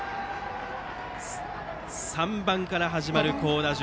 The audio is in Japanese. ３番から始まる好打順。